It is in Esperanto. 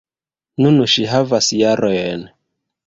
Nun ŝi havas jarojn.